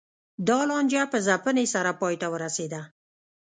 دا لانجه په ځپنې سره پای ته ورسېده